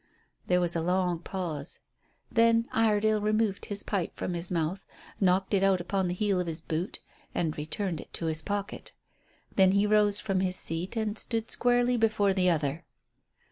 There was a long pause. Then Iredale removed his pipe from his mouth, knocked it out upon the heel of his boot, and returned it to his pocket. Then he rose from his seat and stood squarely before the other.